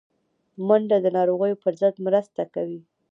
منډه د ناروغیو پر ضد مرسته کوي